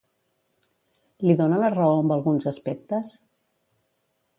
Li dona la raó amb alguns aspectes?